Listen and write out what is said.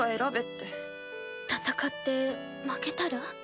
戦って負けたら？